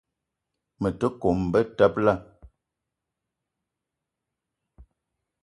Me te kome betebela.